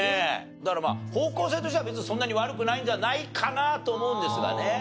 だからまあ方向性としては別にそんなに悪くないんじゃないかなと思うんですがね。